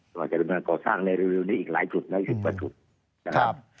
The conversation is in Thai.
ก็จะเป็นการก่อสร้างในเรื่องนี้อีกหลายจุดและอีกกว่าจุดนะครับ